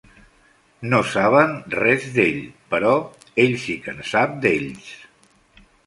No saben res d'ell, però ell si que en sap d'ells.